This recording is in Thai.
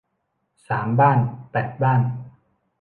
สามบ้านแปดบ้าน